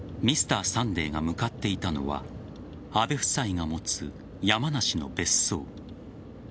「Ｍｒ．サンデー」が向かっていたのは安倍夫妻が持つ山梨の別荘。